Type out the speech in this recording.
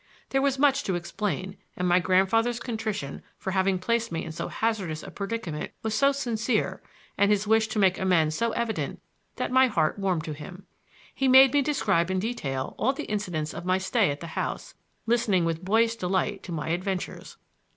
There was much to explain, and my grandfather's contrition for having placed me in so hazardous a predicament was so sincere, and his wish to make amends so evident, that my heart warmed to him. He made me describe in detail all the incidents of my stay at the house, listening with boyish delight to my adventures.